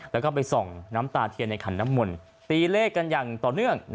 แล้วก็ไปส่องน้ำตาเทียนในขันน้ำมนต์ตีเลขกันอย่างต่อเนื่อง